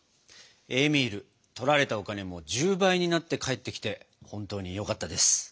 エーミールとられたお金も１０倍になって返ってきて本当によかったです。